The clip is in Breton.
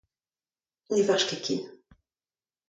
Ne varch ket ken.